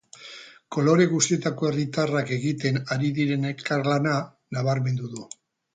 Kolore guztietako herritarrak egiten ari diren elkarlana nabarmendu du.